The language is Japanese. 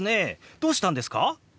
どうしたんですか？